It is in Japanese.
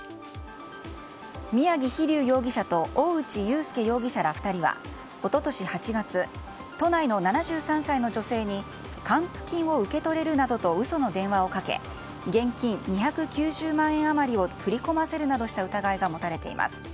宮城飛竜容疑者と大内悠佑容疑者ら２人は一昨年８月都内の７３歳の女性に還付金を受け取れるなどと嘘の電話をかけ現金２９０万円余りを振り込ませるなどした疑いが持たれています。